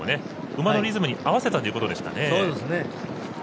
馬のリズムに合わせたということでしたね。